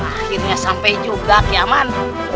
akhirnya sampai juga ya man